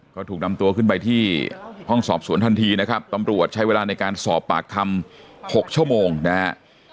ก็ถูกนำตัวขึ้นไปที่ห้องสอบสวนทันทีนะครับตำรวจใช้เวลาในการสอบปากคำ๖ชั่วโมงนะฮะ